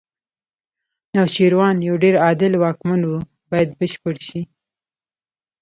نوشیروان یو ډېر عادل واکمن و باید بشپړ شي.